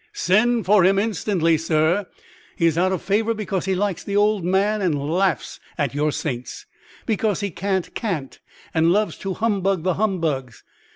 "Send for him instantly, sir. He is out of favor because he likes the old man and laughs at your saints, because he can't cant and loves to humbug the humbugs.